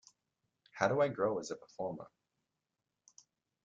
How do I grow as a performer?